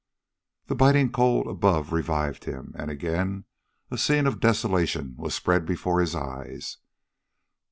The biting cold above revived him, and again a scene of desolation was spread before his eyes.